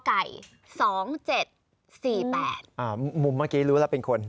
อ่ามุมเมื่อกี้รู้แล้วเป็นคน